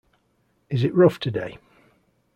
Is it rough today?